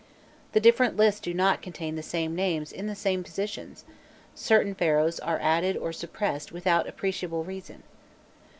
The different lists do not contain the same names in the same positions; certain Pharaohs are added or suppressed without appreciable reason.